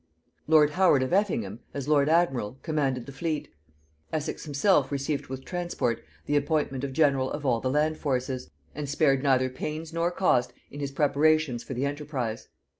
Lord Howard of Effingham, as lord admiral, commanded the fleet; Essex himself received with transport the appointment of general of all the land forces, and spared neither pains nor cost in his preparations for the enterprise.